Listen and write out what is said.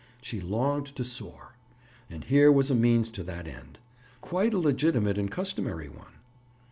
She longed to soar. And here was a means to that end. Quite a legitimate and customary one!